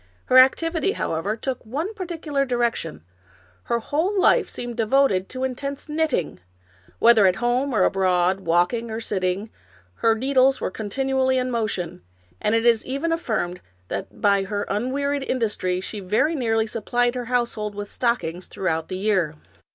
Her activity, however, took one particular direction, — her whole life seemed devoted to intense knit ting; whether at home or abroad, walking or sitting, her needles were continually in motion, and it is even affirmed that by her unwearied industry she very nearly supplied her household with stockings throughout the year.